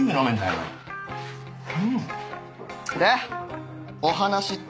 お前でお話って？